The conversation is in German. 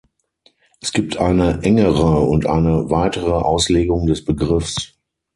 Es gibt eine engere und eine weitere Auslegung des Begriffs.